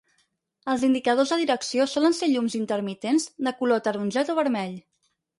Els indicadors de direcció solen ser llums intermitents de color ataronjat o vermell.